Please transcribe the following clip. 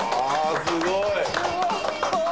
すごい。